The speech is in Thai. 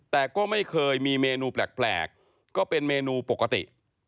แต่ก็ไม่เคยมีเมนูแปลกก็เป็นเมนูปกติ